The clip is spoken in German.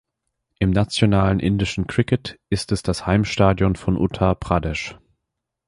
Im nationalen indischen Cricket ist es das Heimstadion von Uttar Pradesh.